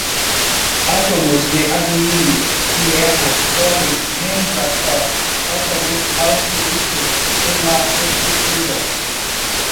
Átomos de aluminio y hierro pueden reemplazar parcialmente al silicio en la estructura.